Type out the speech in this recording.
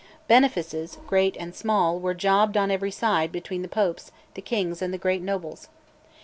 Benefices, great and small, were jobbed on every side between the popes, the kings, and the great nobles.